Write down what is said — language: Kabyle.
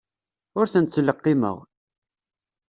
Ur ten-ttleqqimeɣ.